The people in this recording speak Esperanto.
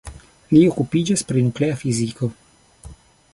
Li okupiĝas pri nuklea fiziko.